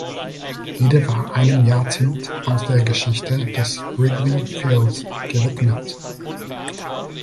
Jede war einem Jahrzehnt aus der Geschichte des Wrigley Fields gewidmet.